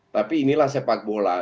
tapi inilah sepak bola